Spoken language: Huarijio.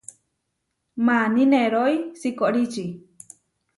Maní nerói sikoríči.